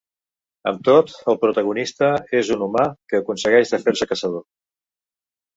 Amb tot, el protagonista és un humà que aconsegueix de fer-se caçador.